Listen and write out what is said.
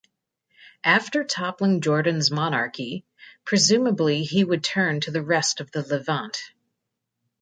After toppling Jordan's monarchy, presumably he would turn to the rest of the Levant.